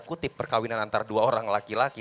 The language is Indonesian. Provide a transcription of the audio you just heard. kutip perkawinan antara dua orang laki laki